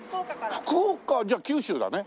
福岡じゃあ九州だね。